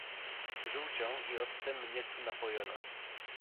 "Żółcią i octem mnie tu napojono!"